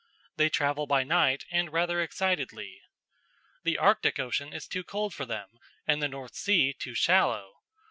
They travel by night and rather excitedly. The Arctic Ocean is too cold for them and the North Sea too shallow.